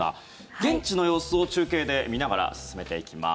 現地の様子を中継で見ながら進めていきます。